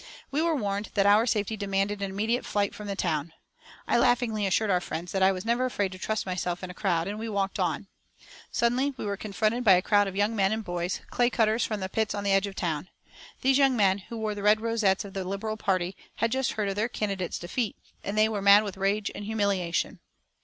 We were warned that our safety demanded an immediate flight from the town. I laughingly assured our friends that I was never afraid to trust myself in a crowd, and we walked on. Suddenly we were confronted by a crowd of young men and boys, clay cutters from the pits on the edge of town. These young men, who wore the red rosettes of the Liberal party, had just heard of their candidate's defeat, and they were mad with rage and humiliation.